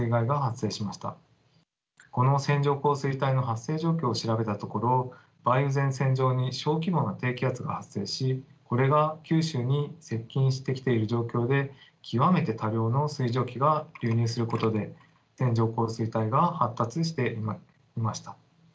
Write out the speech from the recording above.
この線状降水帯の発生状況を調べたところ梅雨前線上に小規模な低気圧が発生しこれが九州に接近してきている状況で極めて多量の水蒸気が流入することで線状降水帯が発達していました。